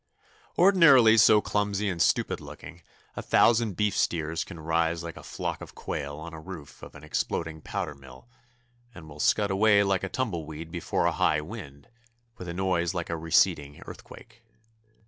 Ordinarily so clumsy and stupid looking, a thousand beef steers can rise like a flock of quail on the roof of an exploding powder mill, and will scud away like a tumble weed before a high wind, with a noise like a receding earthquake.